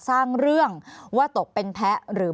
ภารกิจสรรค์ภารกิจสรรค์